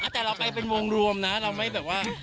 แต่เราไปเป็นวงรวมนะเราไม่แบบว่า